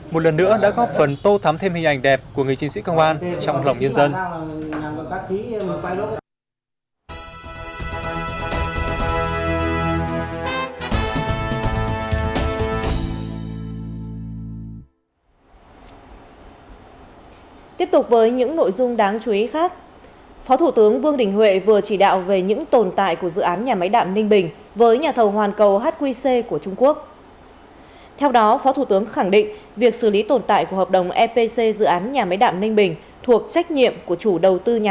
một lần nữa đã góp phần tô thám thêm hình ảnh đẹp của người chiến sĩ công an trong lòng nhân dân